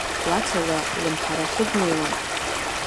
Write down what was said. Лацала лымҳарахьы днеиуан.